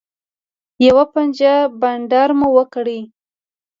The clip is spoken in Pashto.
یوه پنجه بنډار مو وکړ.